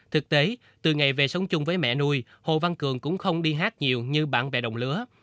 thực tế từ ngày về sống chung với mẹ nuôi hồ văn cường cũng không đi hát nhiều như bạn bè đồng lứa